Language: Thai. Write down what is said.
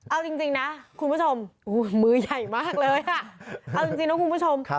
เอาจริงนะคุณผู้ชมมือใหญ่มากเลยค่ะเอาจริงนะคุณผู้ชม